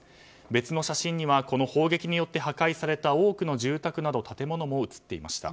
別の写真には、この砲撃によって破壊された多くの住宅など建物も写っていました。